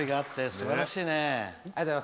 すばらしいね。